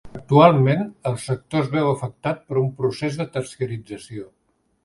Actualment, el sector es veu afectat per un procés de terciarització.